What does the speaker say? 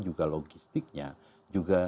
juga logistiknya juga